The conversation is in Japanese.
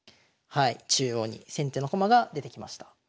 中央に先手の駒が出てきました。